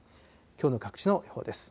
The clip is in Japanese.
きょうの各地の予報です。